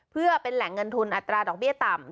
เพื่อเป็นแหล่งเงินทุนอัตราดอกเบี้ยต่ำ